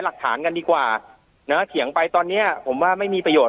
หลักฐานกันดีกว่านะเถียงไปตอนเนี้ยผมว่าไม่มีประโยชน